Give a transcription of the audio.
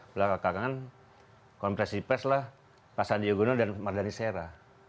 belakangan konfes ipes lah pak sandi ogono dan pak mardhani sehera